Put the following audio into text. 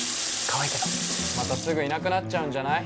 かわいいけどまたすぐいなくなっちゃうんじゃない？